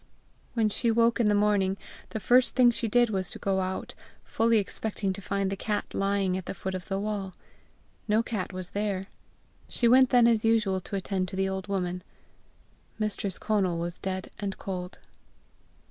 When she woke in the morning, the first thing she did was to go out, fully expecting to find the cat lying at the foot of the wall. No cat was there. She went then as usual to attend to the old woman. Mistress Conal was dead and cold.